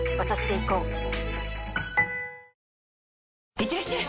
いってらっしゃい！